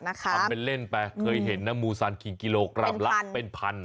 ทำเป็นเล่นไปเคยเห็นนะมูซานคิงกิโลกรัมละเป็นพัน